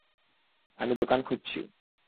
আমি দোকান খুজছি।